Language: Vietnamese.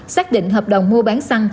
xác định hợp đồng mua bán xăng